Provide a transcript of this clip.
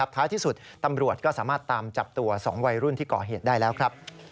ท้ายที่สุดตำรวจก็สามารถตามจับตัว๒วัยรุ่นที่ก่อเหตุได้แล้วครับ